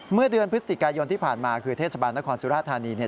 เมื่อเดือนพฤศจิกายนที่ผ่านมาคือเทศบาลนครสุราธานีเนี่ย